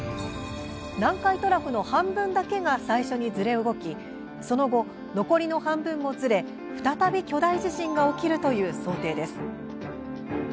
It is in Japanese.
南海トラフの半分だけが最初にずれ動きその後、残りの半分もずれ再び巨大地震が起きるという想定です。